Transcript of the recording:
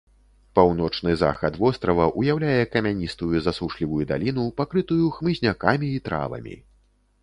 Паўночны захад вострава ўяўляе камяністую засушлівую даліну, пакрытую хмызнякамі і травамі.